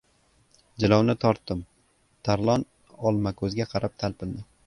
Jilovni tortdim — Tarlon Olmako‘zga qarab talpindi.